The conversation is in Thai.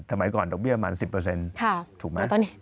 สมัยก่อนดอกเบี้ยประมาณ๑๐ถูกไหม